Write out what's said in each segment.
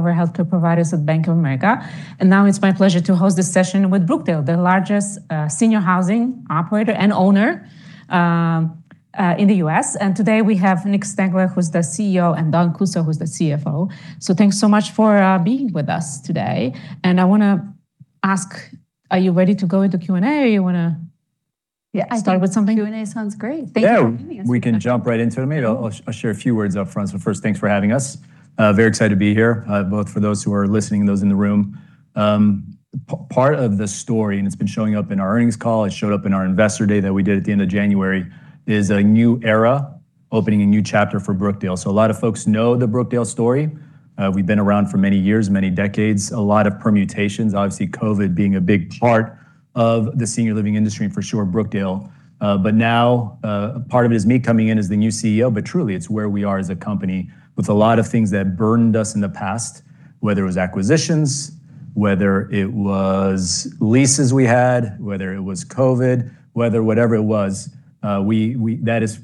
Over healthcare providers at Bank of America. Now it's my pleasure to host this session with Brookdale, the largest senior housing operator and owner in the U.S.. Today we have Nick Stengle, who's the CEO, and Dawn Kussow, who's the CFO. Thanks so much for being with us today. I wanna ask, are you ready to go into Q&A? Yeah. Start with something? I think Q&A sounds great. Thank you for having us. We can jump right into it. Maybe I'll share a few words up front. First, thanks for having us. Very excited to be here, both for those who are listening and those in the room. Part of the story, and it's been showing up in our earnings call, it showed up in our Investor Day that we did at the end of January, is a new era, opening a new chapter for Brookdale. A lot of folks know the Brookdale story. We've been around for many years, many decades, a lot of permutations. Obviously, COVID being a big part of the senior living industry and for sure Brookdale. But now, part of it is me coming in as the new CEO, but truly it's where we are as a company with a lot of things that burned us in the past, whether it was acquisitions, whether it was leases we had, whether it was COVID, whether whatever it was, that is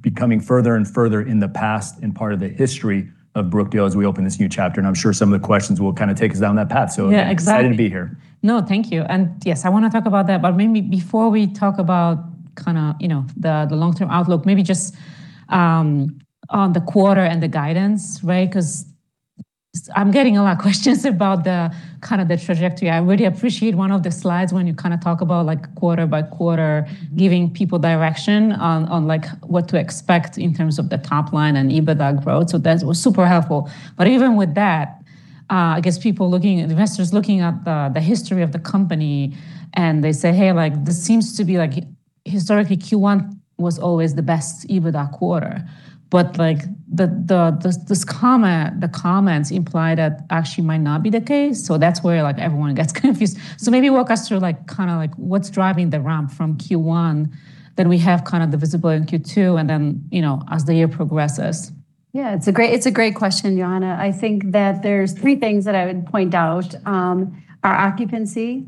becoming further and further in the past and part of the history of Brookdale as we open this new chapter. I'm sure some of the questions will kinda take us down that path. Yeah, exactly. Excited to be here. No, thank you. Yes, I wanna talk about that. Maybe before we talk about kinda, you know, the long-term outlook, maybe just on the quarter and the guidance, right? 'Cause I'm getting a lot of questions about the kinda the trajectory. I really appreciate one of the slides when you kinda talk about like quarter by quarter giving people direction on like what to expect in terms of the top line and EBITDA growth. That was super helpful. Even with that, I guess investors looking at the history of the company and they say, "Hey, like this seems to be like historically Q1 was always the best EBITDA quarter." Like the comments imply that actually might not be the case. That's where like everyone gets confused. Maybe walk us through like kinda like what's driving the ramp from Q1, then we have kind of the visible in Q2, and then, you know, as the year progresses. It's a great question, Joanna. I think that there's three things that I would point out. Our occupancy,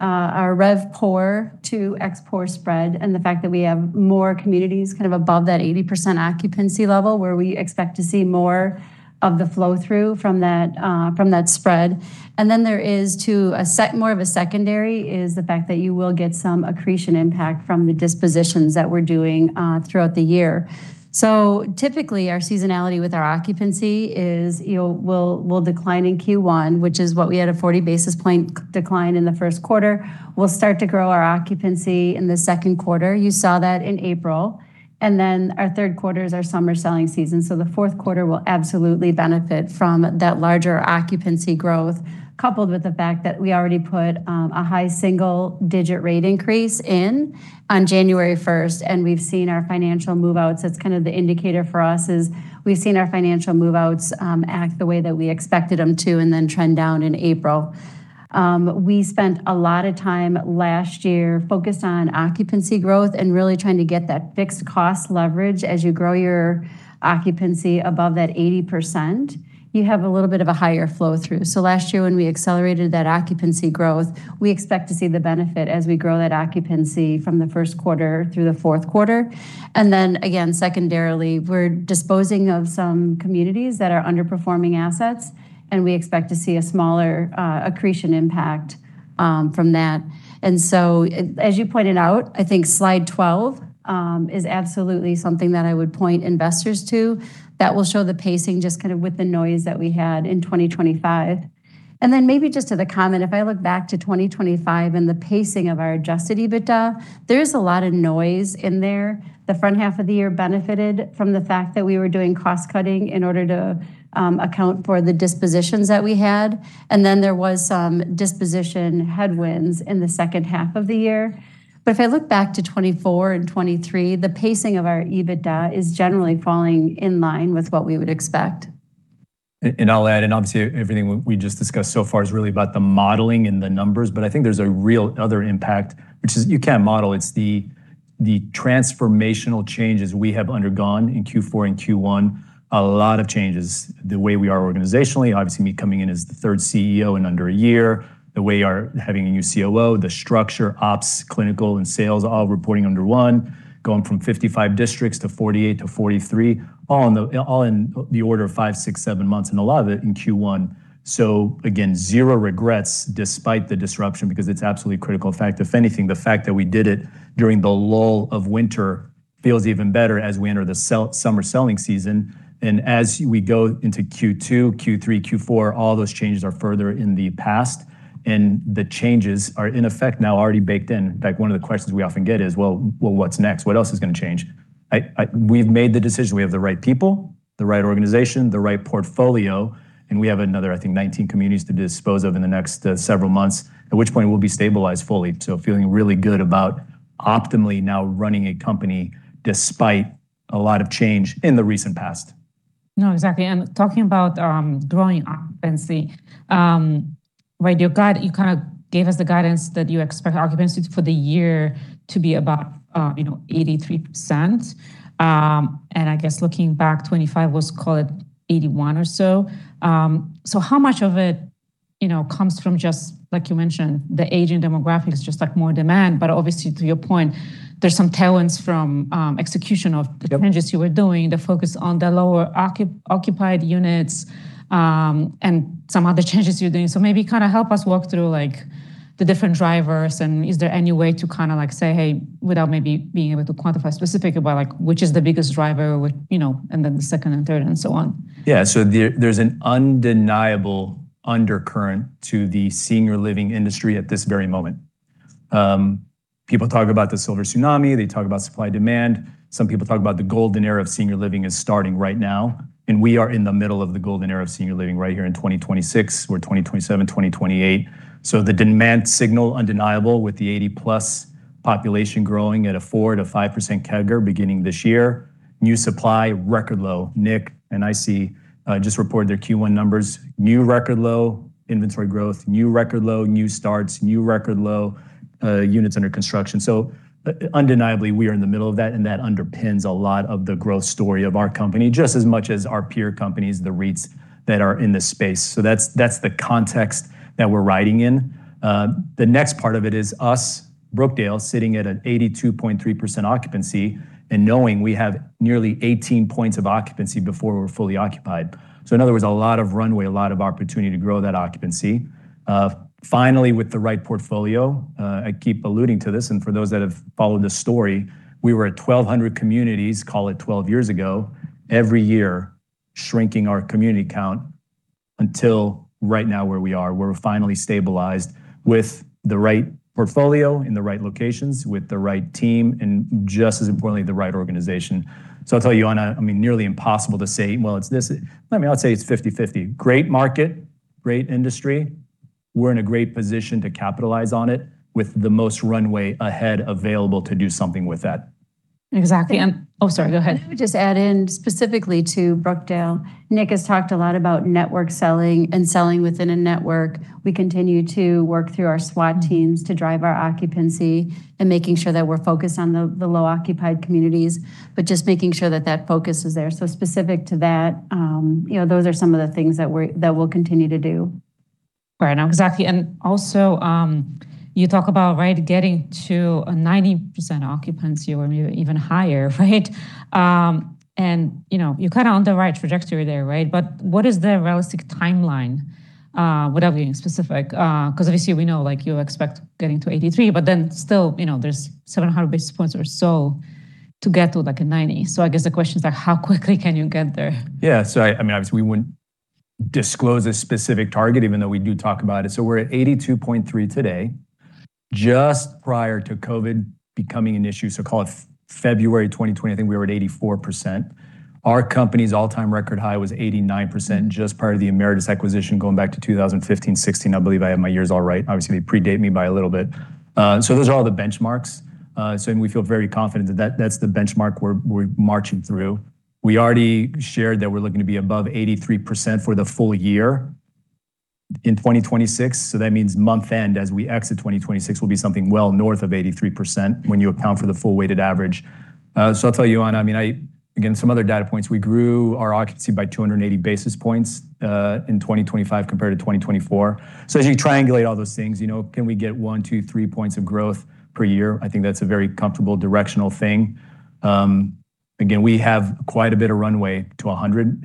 our RevPOR to ExPOR spread, and the fact that we have more communities kind of above that 80% occupancy level where we expect to see more of the flow-through from that spread. There is too more of a secondary is the fact that you will get some accretion impact from the dispositions that we're doing, throughout the year. Typically, our seasonality with our occupancy is will decline in Q1, which is what we had a 40 basis point decline in the first quarter. We'll start to grow our occupancy in the second quarter. You saw that in April. Our third quarter is our summer selling season, so the fourth quarter will absolutely benefit from that larger occupancy growth, coupled with the fact that we already put a high single digit rate increase in on January first, and we've seen our financial move-outs. That's kind of the indicator for us is we've seen our financial move-outs act the way that we expected them to and then trend down in April. We spent a lot of time last year focused on occupancy growth and really trying to get that fixed cost leverage. As you grow your occupancy above that 80%, you have a little bit of a higher flow-through. Last year when we accelerated that occupancy growth, we expect to see the benefit as we grow that occupancy from the first quarter through the fourth quarter. Secondarily, we're disposing of some communities that are underperforming assets, and we expect to see a smaller accretion impact from that. As you pointed out, I think slide 12 is absolutely something that I would point investors to that will show the pacing just kind of with the noise that we had in 2025. Just to the comment, if I look back to 2025 and the pacing of our adjusted EBITDA, there is a lot of noise in there. The front half of the year benefited from the fact that we were doing cost-cutting in order to account for the dispositions that we had. There was some disposition headwinds in the second half of the year. If I look back to 2024 and 2023, the pacing of our EBITDA is generally falling in line with what we would expect. I'll add, obviously everything we just discussed so far is really about the modeling and the numbers. I think there's a real other impact, which is you can't model. It's the transformational changes we have undergone in Q4 and Q1. A lot of changes, the way we are organizationally, obviously me coming in as the third CEO in under a year, having a new COO, the structure, ops, clinical, and sales all reporting under one, going from 55 districts to 48 to 43, all in the order of five, six, seven months, a lot of it in Q1. Again, zero regrets despite the disruption because it's absolutely critical. In fact, if anything, the fact that we did it during the lull of winter feels even better as we enter the summer selling season. As we go into Q2, Q3, Q4, all those changes are further in the past, and the changes are in effect now already baked in. In fact, one of the questions we often get is, "Well, what's next? What else is going to change?" We've made the decision. We have the right people, the right organization, the right portfolio, and we have another, I think, 19 communities to dispose of in the next several months, at which point we'll be stabilized fully. Feeling really good about optimally now running a company despite a lot of change in the recent past. No, exactly. Talking about, growing occupancy, right, you kinda gave us the guidance that you expect occupancy for the year to be about, you know, 83%. I guess looking back, 2025 was, call it, 81% or so. How much of it, you know, comes from just like you mentioned, the aging demographics, just like more demand? Obviously to your point, there's some tailwinds from, execution of the changes you were doing, the focus on the lower occupied units, and some other changes you're doing. Maybe kind of help us walk through like the different drivers and is there any way to kinda like say, hey, without maybe being able to quantify specifically, but like which is the biggest driver with, you know, and then the second and third and so on? Yeah. There's an undeniable undercurrent to the senior living industry at this very moment. People talk about the silver tsunami, they talk about supply demand. Some people talk about the golden era of senior living is starting right now, we are in the middle of the golden era of senior living right here in 2026 or 2027, 2028. The demand signal undeniable with the 80+ population growing at a 4%-5% CAGR beginning this year. New supply, record low. NIC and IC just reported their Q1 numbers. New record low inventory growth, new record low new starts, new record low units under construction. Undeniably, we are in the middle of that underpins a lot of the growth story of our company just as much as our peer companies, the REITs that are in this space. That's the context that we're riding in. The next part of it is us, Brookdale, sitting at an 82.3% occupancy and knowing we have nearly 18 points of occupancy before we're fully occupied. In other words, a lot of runway, a lot of opportunity to grow that occupancy. Finally, with the right portfolio, I keep alluding to this, and for those that have followed this story, we were at 1,200 communities, call it 12 years ago, every year shrinking our community count until right now where we are. We're finally stabilized with the right portfolio in the right locations with the right team and just as importantly, the right organization. I'll tell you, Joanna, I mean, nearly impossible to say, I mean, I'd say it's 50/50. Great market, great industry. We're in a great position to capitalize on it with the most runway ahead available to do something with that. Exactly. Oh, sorry. Go ahead. Let me just add in specifically to Brookdale. Nick has talked a lot about network selling and selling within a network. We continue to work through our SWAT teams to drive our occupancy and making sure that we're focused on the low occupied communities, but just making sure that that focus is there. Specific to that, you know, those are some of the things that we'll continue to do. Right. No, exactly. You talk about, right, getting to a 90% occupancy or maybe even higher, right? You know, you're kinda on the right trajectory there, right? What is the realistic timeline without getting specific? 'Cause obviously we know like you expect getting to 83%, still, you know, there's 700 basis points or so to get to like a 90%. I guess the question is like how quickly can you get there? Yeah. I mean, obviously, we wouldn't disclose a specific target even though we do talk about it. We're at 82.3% today. Just prior to COVID becoming an issue, call it February 2020, I think we were at 84%. Our company's all-time record high was 89% just prior to the Emeritus acquisition going back to 2015, 2016. I believe I have my years all right. Obviously, they predate me by a little bit. Those are all the benchmarks. We feel very confident that that's the benchmark we're marching through. We already shared that we're looking to be above 83% for the full-year in 2026. That means month end as we exit 2026 will be something well north of 83% when you account for the full weighted average. I'll tell you, Joanna, I mean, again, some other data points. We grew our occupancy by 280 basis points in 2025 compared to 2024. As you triangulate all those things, you know, can we get one, two, three points of growth per year? I think that's a very comfortable directional thing. Again, we have quite a bit of runway to 100%,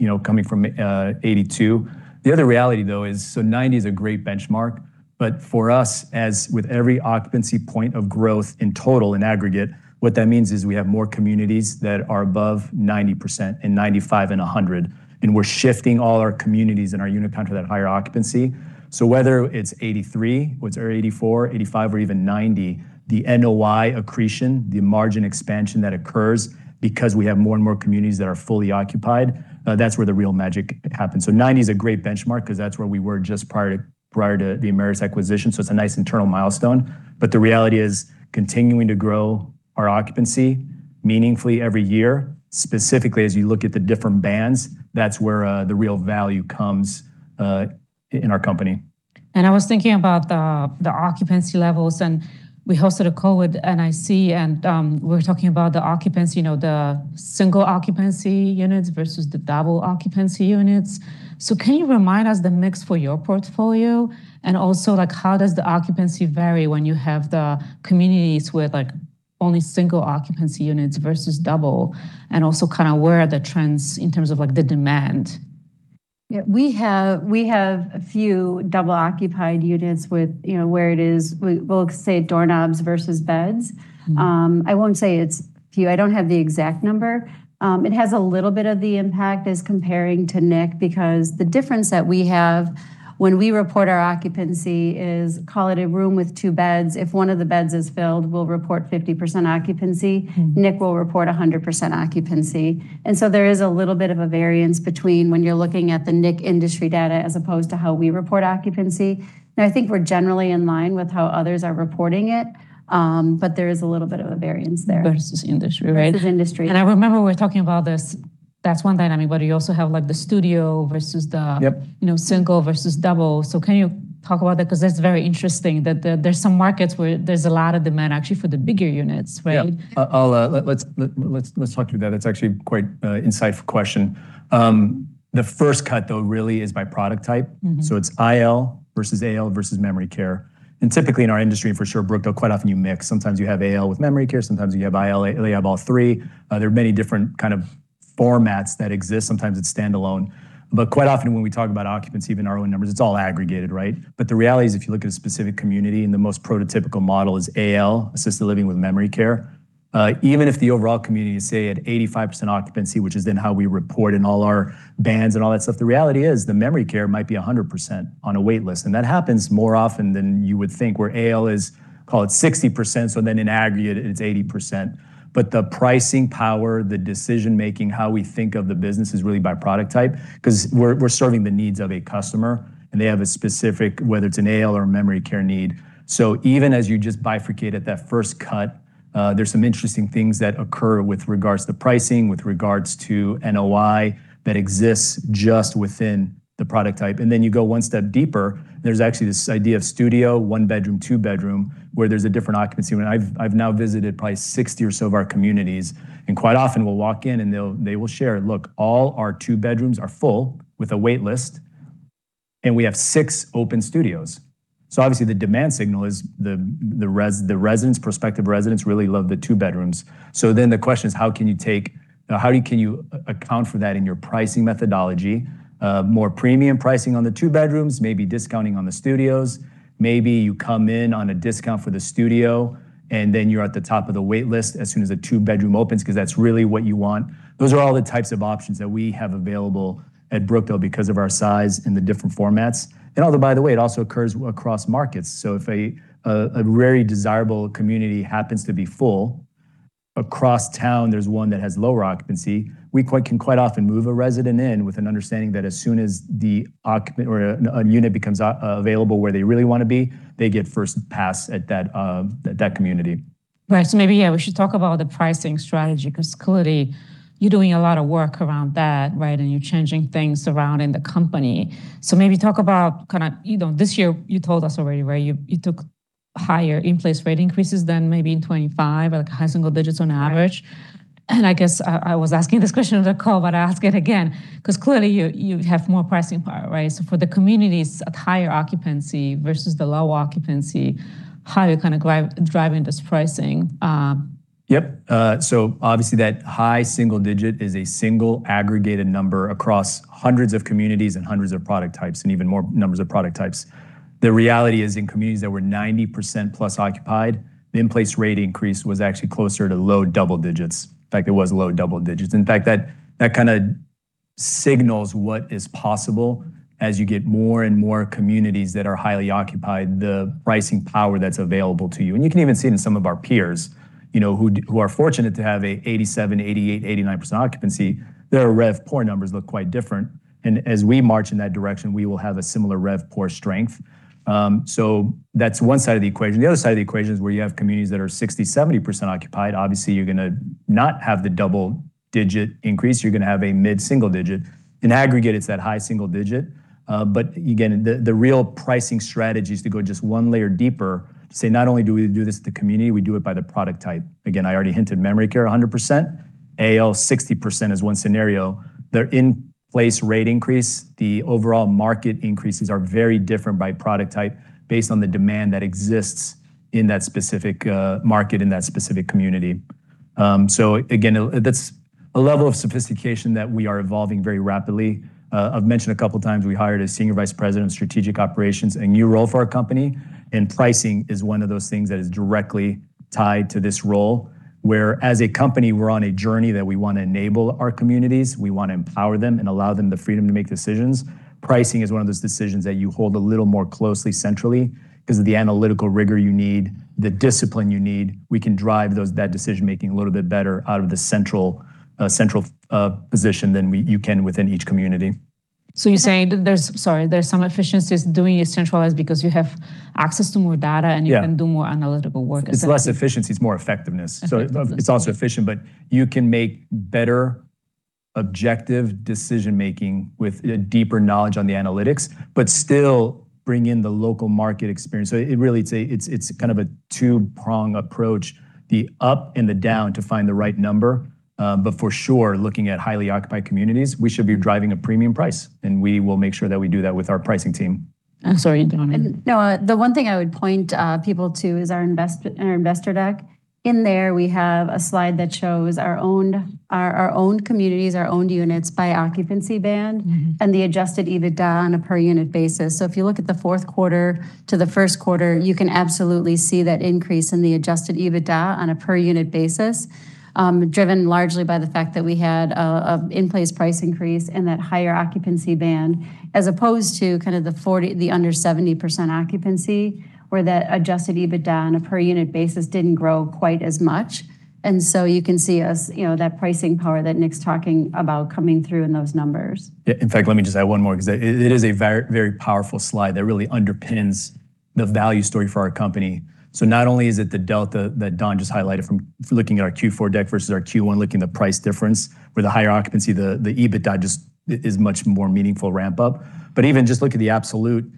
you know, coming from 82%. The other reality, though, is so 90% is a great benchmark, but for us, as with every occupancy point of growth in total, in aggregate, what that means is we have more communities that are above 90% and 95% and 100%, and we're shifting all our communities and our unit count to that higher occupancy. Whether it's 83%, whether 84%, 85% or even 90%, the NOI accretion, the margin expansion that occurs because we have more and more communities that are fully occupied, that's where the real magic happens. 90% is a great benchmark 'cause that's where we were just prior to the Emeritus acquisition, so it's a nice internal milestone. The reality is continuing to grow our occupancy meaningfully every year. Specifically as you look at the different bands, that's where the real value comes in our company. I was thinking about the occupancy levels, and we hosted a call with NIC, we're talking about the occupancy, you know, the single occupancy units versus the double occupancy units. Can you remind us the mix for your portfolio? Also, like, how does the occupancy vary when you have the communities with, like, only single occupancy units versus double? Also kind of where are the trends in terms of, like, the demand? Yeah. We have a few double occupied units with, you know, where it is, we both say doorknobs versus beds. I won't say it's few. I don't have the exact number. It has a little bit of the impact as comparing to NIC because the difference that we have when we report our occupancy is, call it a room with two beds. If one of the beds is filled, we'll report 50% occupancy. NIC will report 100% occupancy. There is a little bit of a variance between when you're looking at the NIC industry data as opposed to how we report occupancy. I think we're generally in line with how others are reporting it, but there is a little bit of a variance there. Versus industry, right? Versus industry. I remember we're talking about this. That's one dynamic, you also have, like, the studio versus. Yep. You know, single versus double. Can you talk about that 'cause that's very interesting that there's some markets where there's a lot of demand actually for the bigger units, right? Yeah. I'll let's talk through that. That's actually quite a insightful question. The first cut though really is by product type. It's IL versus AL versus memory care. Typically in our industry, and for sure at Brookdale, quite often you mix. Sometimes you have AL with memory care, sometimes you have IL, you have all three. There are many different kind of formats that exist. Sometimes it's standalone. Quite often when we talk about occupancy, even our own numbers, it's all aggregated, right? The reality is, if you look at a specific community, and the most prototypical model is AL, assisted living with memory care, even if the overall community is, say, at 85% occupancy, which is then how we report in all our bands and all that stuff, the reality is the memory care might be 100% on a wait list. That happens more often than you would think, where AL is, call it 60%, in aggregate it's 80%. The pricing power, the decision-making, how we think of the business is really by product type, 'cause we're serving the needs of a customer, and they have a specific, whether it's an AL or a memory care need. Even as you just bifurcate at that first cut, there's some interesting things that occur with regards to pricing, with regards to NOI that exists just within the product type. You go one step deeper, and there's actually this idea of studio, one bedroom, two bedroom, where there's a different occupancy. I've now visited probably 60 or so of our communities, and quite often we'll walk in and they will share, "Look, all our two bedrooms are full with a wait list, and we have six open studios." Obviously the demand signal is the residents, prospective residents really love the two bedrooms. The question is how can you account for that in your pricing methodology? More premium pricing on the two bedrooms, maybe discounting on the studios. Maybe you come in on a discount for the studio, and then you're at the top of the wait list as soon as a two bedroom opens, 'cause that's really what you want. Those are all the types of options that we have available at Brookdale because of our size and the different formats. Although, by the way, it also occurs across markets. If a very desirable community happens to be full, across town there's one that has lower occupancy, we can quite often move a resident in with an understanding that as soon as or a unit becomes available where they really wanna be, they get first pass at that community. Right. Maybe, yeah, we should talk about the pricing strategy, 'cause clearly you're doing a lot of work around that, right? You're changing things surrounding the company. Maybe talk about kinda, you know, this year you told us already where you took higher in-place rate increases than maybe in 2025, like high single digits on average. I guess I was asking this question on the call, but I'll ask it again, 'cause clearly you have more pricing power, right? For the communities at higher occupancy versus the low occupancy, how are you kinda driving this pricing? Yep. Obviously that high single digit is a single aggregated number across hundreds of communities and hundreds of product types, and even more numbers of product types. The reality is in communities that were 90%+ occupied, the in-place rate increase was actually closer to low double digits. In fact, it was low double digits. In fact, that kind of signals what is possible as you get more and more communities that are highly occupied, the pricing power that's available to you. You can even see it in some of our peers, you know, who are fortunate to have a 87%, 88%, 89% occupancy. Their RevPOR numbers look quite different. As we march in that direction, we will have a similar RevPOR strength. That's one side of the equation. The other side of the equation is where you have communities that are 60%, 70% occupied. Obviously, you're gonna not have the double-digit increase, you're gonna have a mid-single-digit. In aggregate, it's that high-single-digit. Again, the real pricing strategy is to go just one layer deeper to say not only do we do this to community, we do it by the product type. I already hinted memory care 100%. AL 60% is one scenario. Their in-place rate increase, the overall market increases are very different by product type based on the demand that exists in that specific market, in that specific community. Again, that's a level of sophistication that we are evolving very rapidly. I've mentioned a couple times we hired a Senior Vice President of Strategic Operations, a new role for our company, and pricing is one of those things that is directly tied to this role, where as a company, we're on a journey that we wanna enable our communities, we wanna empower them and allow them the freedom to make decisions. Pricing is one of those decisions that you hold a little more closely centrally, because of the analytical rigor you need, the discipline you need. We can drive that decision-making a little bit better out of the central position than you can within each community. You're saying that sorry, there's some efficiencies doing it centralized because you have access to more data. Yeah. You can do more analytical work essentially. It's less efficiency, it's more effectiveness. Effectiveness. It's also efficient, but you can make better objective decision-making with a deeper knowledge on the analytics, but still bring in the local market experience. It really, it's a kind of a two-prong approach, the up and the down to find the right number. For sure, looking at highly occupied communities, we should be driving a premium price, and we will make sure that we do that with our pricing team. Sorry, Dawn. No, the one thing I would point people to is our investor deck. In there we have a slide that shows our owned communities, our owned units by occupancy band and the adjusted EBITDA on a per unit basis. If you look at the fourth quarter to the first quarter, you can absolutely see that increase in the adjusted EBITDA on a per unit basis, driven largely by the fact that we had a in-place price increase in that higher occupancy band, as opposed to kind of the 40%, the under 70% occupancy, where that adjusted EBITDA on a per unit basis didn't grow quite as much. You can see us, you know, that pricing power that Nick's talking about coming through in those numbers. Yeah. In fact, let me just add one more, because it is a very, very powerful slide that really underpins the value story for our company. Not only is it the delta that Dawn just highlighted from looking at our Q4 deck versus our Q1, looking at the price difference with the higher occupancy, the EBITDA is much more meaningful ramp up. Even just look at the absolute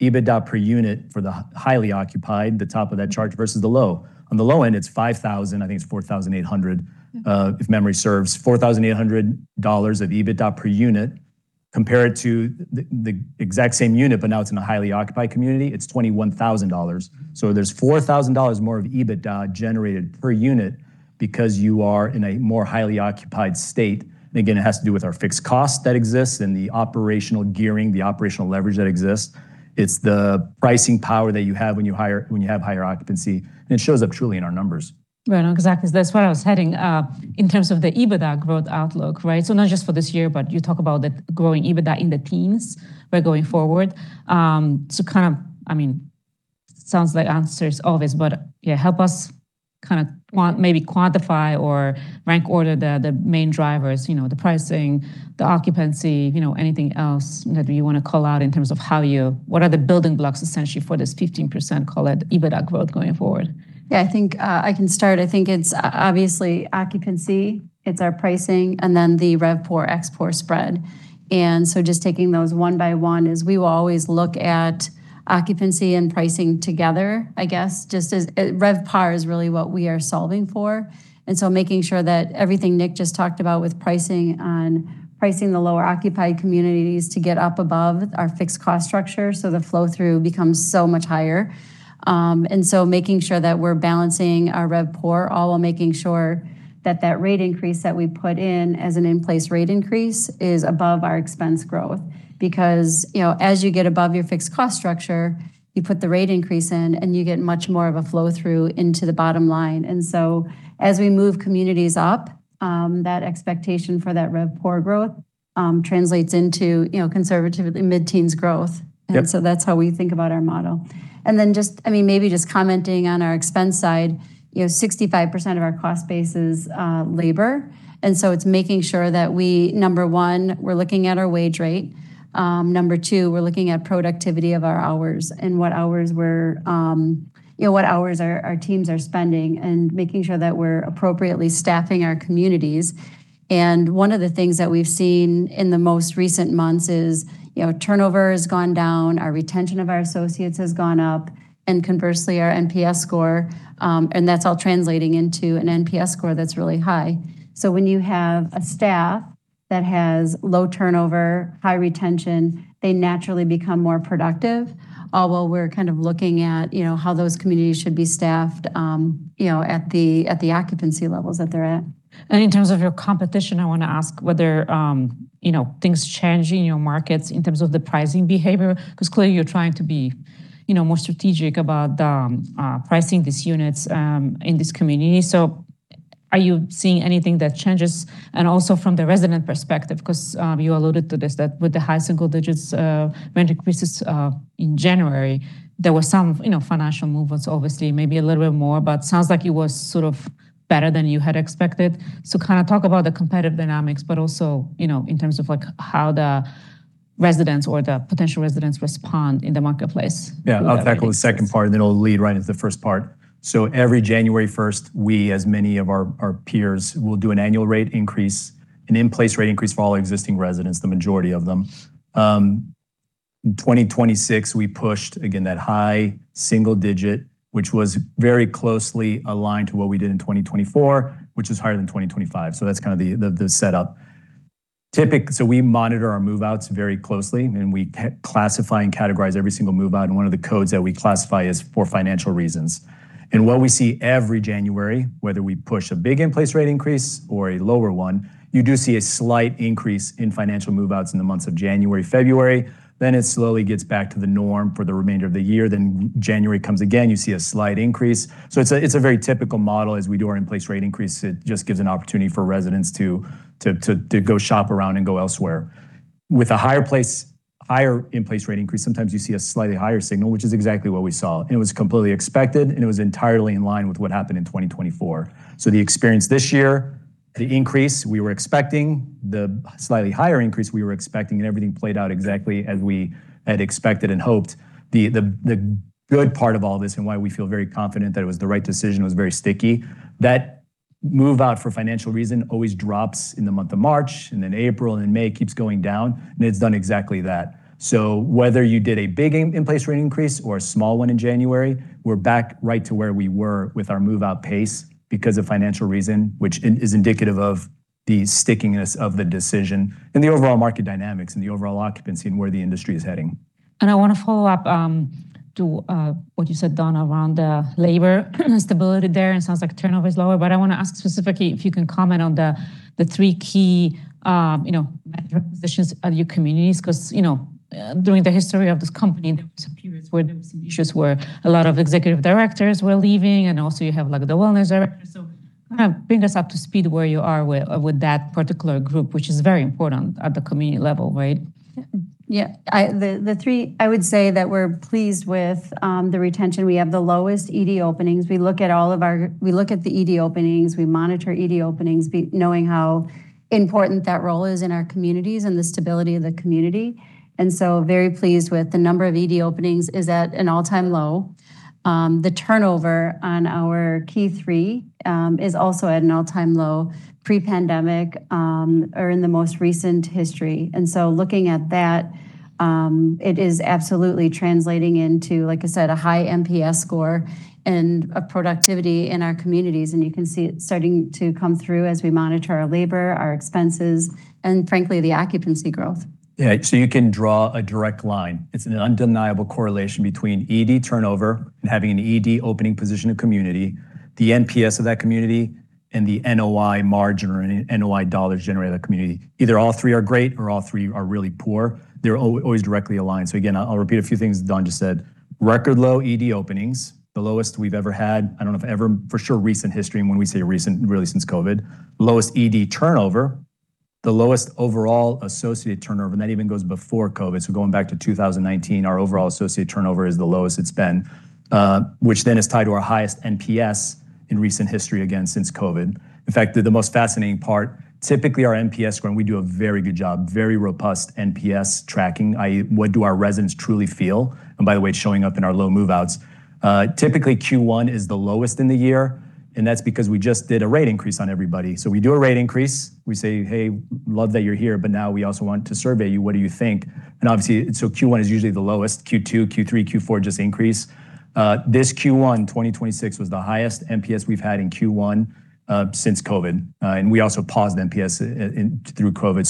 EBITDA per unit for the highly occupied, the top of that chart versus the low. On the low end, it's $5,000, I think it's $4,800, if memory serves. $4,800 of EBITDA per unit. Compare it to the exact same unit, but now it's in a highly occupied community. It's $21,000. There's $4,000 more of EBITDA generated per unit because you are in a more highly occupied state. Again, it has to do with our fixed cost that exists and the operational gearing, the operational leverage that exists. It's the pricing power that you have when you have higher occupancy, and it shows up truly in our numbers. Right. No, exactly. That's where I was heading, in terms of the EBITDA growth outlook, right? Not just for this year, but you talk about the growing EBITDA in the teens by going forward. kind of, I mean, sounds like answers always, but yeah, help us kind of maybe quantify or rank order the main drivers, you know, the pricing, the occupancy, you know, anything else that you wanna call out in terms of what are the building blocks essentially for this 15% call it EBITDA growth going forward? I think I can start. I think it's obviously occupancy, it's our pricing, and then the RevPOR/ExPOR spread. Just taking those one by one is we will always look at occupancy and pricing together, I guess, just as RevPAR is really what we are solving for. Making sure that everything Nick just talked about with pricing on pricing the lower occupied communities to get up above our fixed cost structure, so the flow-through becomes so much higher. Making sure that we're balancing our RevPOR, all while making sure that that rate increase that we put in as an in-place rate increase is above our expense growth. You know, as you get above your fixed cost structure, you put the rate increase in, and you get much more of a flow-through into the bottom line. As we move communities up, that expectation for that RevPOR growth translates into, you know, conservatively mid-teens growth. Yep. That's how we think about our model. Then just, I mean, maybe just commenting on our expense side, you know, 65% of our cost base is labor. So it's making sure that we, number one, we're looking at our wage rate. Number two, we're looking at productivity of our hours and what hours we're, you know, what hours our teams are spending and making sure that we're appropriately staffing our communities. One of the things that we've seen in the most recent months is, you know, turnover has gone down, our retention of our associates has gone up, and conversely, our NPS score. That's all translating into an NPS score that's really high. When you have a staff that has low turnover, high retention, they naturally become more productive, all while we're kind of looking at, you know, how those communities should be staffed, you know, at the, at the occupancy levels that they're at. In terms of your competition, I want to ask whether, you know, things changing in your markets in terms of the pricing behavior, because clearly you're trying to be, you know, more strategic about pricing these units in this community. Are you seeing anything that changes? Also from the resident perspective, because you alluded to this, that with the high single digits rent increases in January, there were some, you know, financial movements, obviously, maybe a little bit more, but sounds like it was sort of better than you had expected. Kind of talk about the competitive dynamics, but also, you know, in terms of, like, how the residents or the potential residents respond in the marketplace. Yeah. I'll tackle the second part, and then it'll lead right into the first part. Every January 1st, we, as many of our peers, will do an annual rate increase, an in-place rate increase for all existing residents, the majority of them. In 2026, we pushed, again, that high single digit, which was very closely aligned to what we did in 2024, which is higher than 2025. That's kind of the setup. We monitor our move-outs very closely, and we classify and categorize every single move-out. One of the codes that we classify is for financial reasons. What we see every January, whether we push a big in-place rate increase or a lower one, you do see a slight increase in financial move-outs in the months of January, February. It slowly gets back to the norm for the remainder of the year. January comes again, you see a slight increase. It's a very typical model as we do our in-place rate increase. It just gives an opportunity for residents to go shop around and go elsewhere. With a higher in-place rate increase, sometimes you see a slightly higher signal, which is exactly what we saw. It was completely expected, and it was entirely in line with what happened in 2024. The experience this year, the increase we were expecting, the slightly higher increase we were expecting, and everything played out exactly as we had expected and hoped. The good part of all this and why we feel very confident that it was the right decision was very sticky. That move-out for financial reason always drops in the month of March and then April and then May, it keeps going down. It's done exactly that. Whether you did a big in-place rate increase or a small one in January, we're back right to where we were with our move-out pace because of financial reason, which is indicative of the stickiness of the decision and the overall market dynamics and the overall occupancy and where the industry is heading. I wanna follow up to what you said, Dawn, around the labor stability there. It sounds like turnover is lower. I wanna ask specifically if you can comment on the three key, you know, manager positions at your communities 'cause, you know, during the history of this company, there were some periods where there were some issues where a lot of Executive Directors were leaving, and also you have like the Wellness Director. Kind of bring us up to speed where you are with that particular group, which is very important at the community level, right? Yeah, I would say that we're pleased with the retention. We have the lowest ED openings. We look at the ED openings. We monitor ED openings knowing how important that role is in our communities and the stability of the community. Very pleased with the number of ED openings is at an all-time low. The turnover on our key three is also at an all-time low, pre-pandemic, or in the most recent history. Looking at that, it is absolutely translating into, like I said, a high NPS score and a productivity in our communities. You can see it starting to come through as we monitor our labor, our expenses, and frankly, the occupancy growth. Yeah. You can draw a direct line. It's an undeniable correlation between ED turnover and having an ED opening position of community, the NPS of that community, and the NOI margin or NOI dollars generated by the community. Either all three are great or all three are really poor. They're always directly aligned. Again, I'll repeat a few things Dawn just said. Record low ED openings, the lowest we've ever had. I don't know if ever for sure recent history, and when we say recent, really since COVID. Lowest ED turnover, the lowest overall associated turnover, and that even goes before COVID. Going back to 2019, our overall associate turnover is the lowest it's been, which then is tied to our highest NPS in recent history, again, since COVID. In fact, the most fascinating part, typically our NPS when we do a very good job, very robust NPS tracking, i.e., what do our residents truly feel, and by the way, it's showing up in our low move-outs. Typically Q1 is the lowest in the year, That's because we just did a rate increase on everybody. We do a rate increase. We say, "Hey, love that you're here, Now we also want to survey you. What do you think?" Obviously, Q1 is usually the lowest. Q2, Q3, Q4 just increase. This Q1 2026 was the highest NPS we've had in Q1 since COVID. We also paused NPS in through COVID.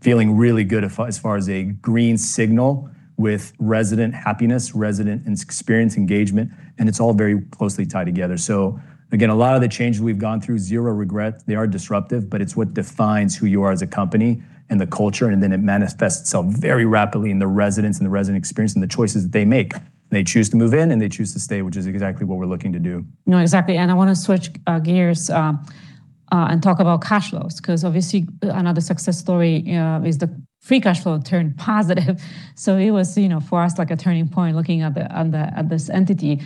Feeling really good as far as a green signal with resident happiness, resident and experience engagement, It's all very closely tied together. Again, a lot of the changes we've gone through, zero regret. They are disruptive, but it's what defines who you are as a company and the culture, and then it manifests itself very rapidly in the residents and the resident experience and the choices they make. They choose to move in, and they choose to stay, which is exactly what we're looking to do. No, exactly. I wanna switch gears and talk about cash flows 'cause obviously another success story is the free cash flow turned positive. It was, you know, for us, like a turning point looking at this entity.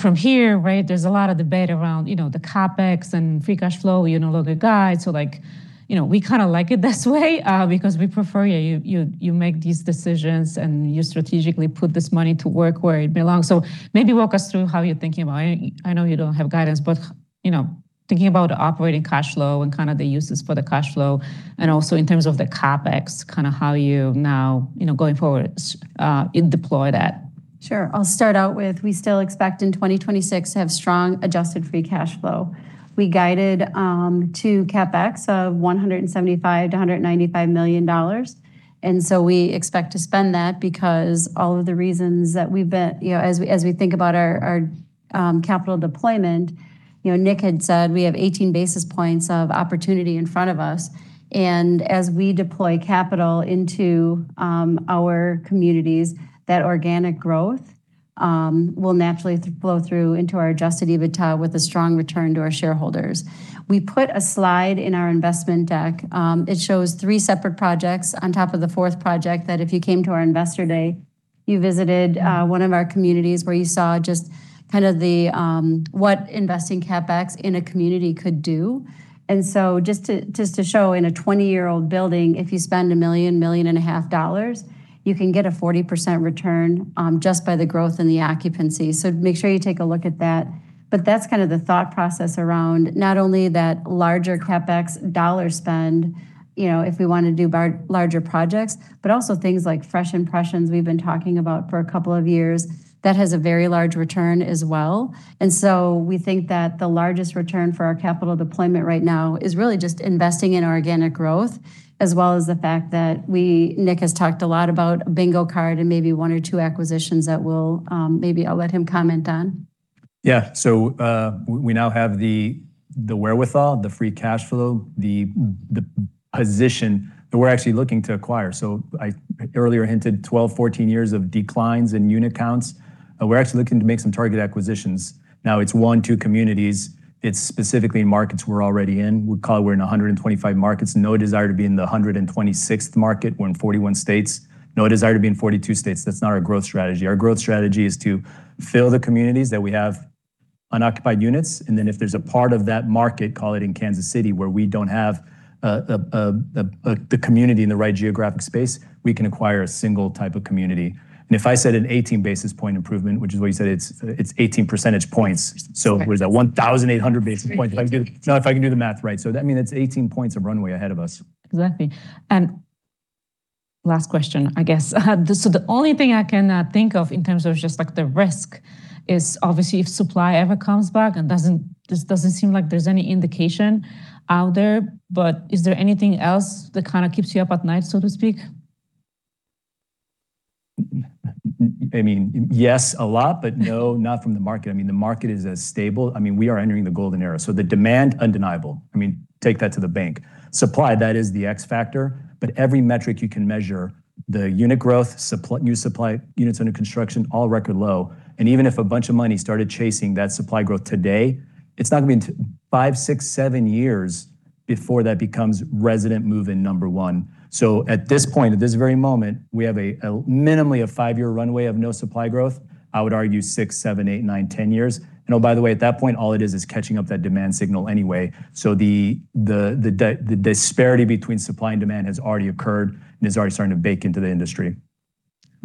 From here, right, there's a lot of debate around, you know, the CapEx and free cash flow, you know, look at guide. Like, you know, we kinda like it this way because we prefer, you make these decisions, and you strategically put this money to work where it belongs. Maybe walk us through how you're thinking about it. I know you don't have guidance, but, you know, thinking about operating cash flow and kinda the uses for the cash flow and also in terms of the CapEx, kinda how you now, you know, going forward, deploy that. Sure. I'll start out with we still expect in 2026 to have strong adjusted free cash flow. We guided to CapEx of $175 million-$195 million. We expect to spend that. You know, as we think about our capital deployment, you know, Nick had said we have 18 basis points of opportunity in front of us. As we deploy capital into our communities, that organic growth will naturally flow through into our adjusted EBITDA with a strong return to our shareholders. We put a slide in our investment deck. It shows three separate projects on top of the 4th project that if you came to our Investor Day, you visited one of our communities where you saw just kind of the what investing CapEx in a community could do. Just to show in a 20-year-old building, if you spend $1 million-$1.5 million, you can get a 40% return just by the growth in the occupancy. Make sure you take a look at that. That's kind of the thought process around not only that larger CapEx dollar spend, you know, if we wanna do larger projects, but also things like Fresh Impressions we've been talking about for a couple of years. That has a very large return as well. We think that the largest return for our capital deployment right now is really just investing in organic growth as well as the fact that Nick has talked a lot about bingo card and maybe one or two acquisitions that we'll, maybe I'll let him comment on. Yeah. We now have the wherewithal, the free cash flow, the position that we're actually looking to acquire. I earlier hinted 12, 14 years of declines in unit counts. We're actually looking to make some target acquisitions. Now, it's one, two communities. It's specifically in markets we're already in. We call it we're in 125 markets. No desire to be in the 126th market. We're in 41 states. No desire to be in 42 states. That's not our growth strategy. Our growth strategy is to fill the communities that we have unoccupied units, and then if there's a part of that market, call it in Kansas City, where we don't have the community in the right geographic space, we can acquire a single type of community. If I said an 18 basis point improvement, which is what you said, it's 18 percentage points. It was at 1,800 basis points if I can do the math right. That means it's 18 points of runway ahead of us. Exactly. Last question, I guess. The only thing I can think of in terms of just, like, the risk is obviously if supply ever comes back and this doesn't seem like there's any indication out there, but is there anything else that kinda keeps you up at night, so to speak? I mean, yes, a lot. No, not from the market. I mean, the market is as stable. I mean, we are entering the golden era. The demand, undeniable. I mean, take that to the bank. Supply, that is the X factor. Every metric you can measure, the unit growth, supply, new supply, units under construction, all record low. Even if a bunch of money started chasing that supply growth today, it's not gonna be until five, six, seven years before that becomes resident move-in number one. At this point, at this very moment, we have a minimally a five-year runway of no supply growth. I would argue six, seven, eight, nine, 10 years. Oh, by the way, at that point, all it is is catching up that demand signal anyway. The disparity between supply and demand has already occurred and is already starting to bake into the industry.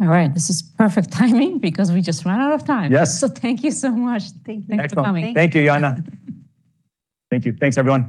All right. This is perfect timing because we just ran out of time. Yes. Thank you so much. Thank you for coming. Excellent. Thank you, Joanna. Thank you. Thanks, everyone.